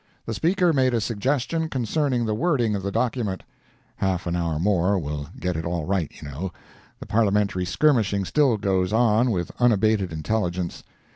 The Speaker made a suggestion concerning the wording of the document. [Half an hour more will get it all right, you know. The parliamentary skirmishing still goes on, with unabated intelligence.